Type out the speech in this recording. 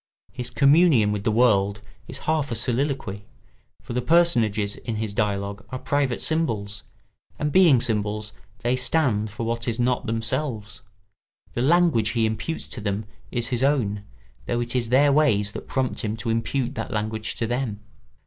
His communion with the world is half a soliloquy, for the personages in his dialogue are private symbols, and being symbols they stand for what is not themselves; the language he imputes to them is his own, though it is their ways that prompt him to impute that language to them.